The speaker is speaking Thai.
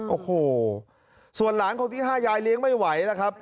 โอ้โหส่วนหลานคนที่๕ยายเลี้ยงไม่ไหวแล้วครับ